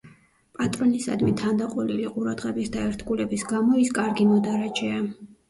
პატრონისადმი თანდაყოლილი ყურადღების და ერთგულების გამო ის კარგი მოდარაჯეა.